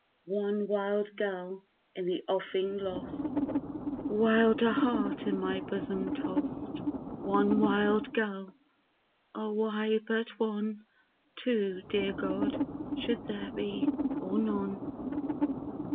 One wild gull in the offing lost, Wilder heart in my bosom tost. One wild gull O why but one! Two, dear God, should there be or none!